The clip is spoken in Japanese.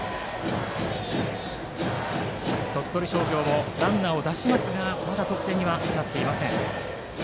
鳥取商業もランナーを出しますがまだ得点には至っていません。